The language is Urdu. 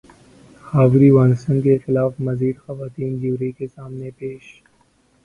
ہاروی وائنسٹن کے خلاف مزید خواتین جیوری کے سامنے پیش